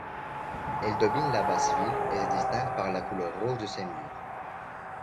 Elle domine la basse-ville et se distingue par la couleur rouge de ses murs.